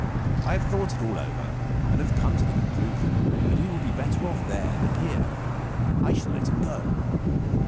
I have thought it all over, and have come to the conclusion that he will be better off there than here. I shall let him go."